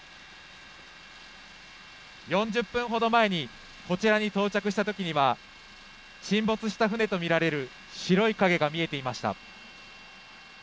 ４０分ほど前にこちらに到着したときには沈没した船と見られる白い影が見えていました。